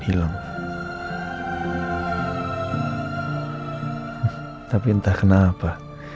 hilang tapi entah kenapa